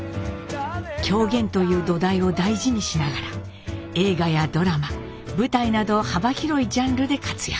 狂言という土台を大事にしながら映画やドラマ舞台など幅広いジャンルで活躍。